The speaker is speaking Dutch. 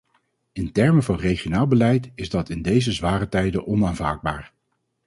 In termen van regionaal beleid is dat in deze zware tijden onaanvaardbaar.